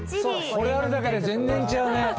これあるだけで全然違うね。